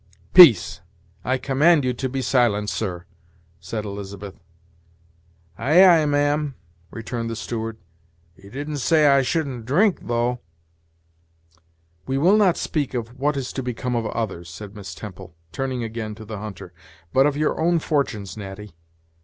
"Peace I command you to be silent, sir!" said Elizabeth. "Ay, ay, ma'am," returned the steward. "You didn't say I shouldn't drink, though." "We will not speak of what is to become of others," said Miss Temple, turning again to the hunter "but of your own fortunes, Natty.